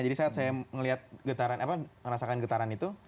jadi saat saya melihat getaran merasakan getaran itu